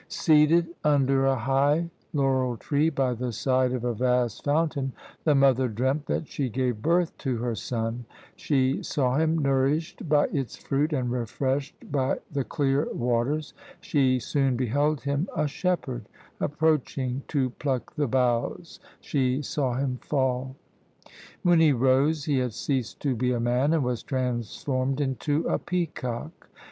Seated under a high laurel tree, by the side of a vast fountain, the mother dreamt that she gave birth to her son; she saw him nourished by its fruit, and refreshed by the clear waters; she soon beheld him a shepherd; approaching to pluck the boughs, she saw him fall! When he rose he had ceased to be a man, and was transformed into a peacock!